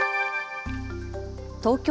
東京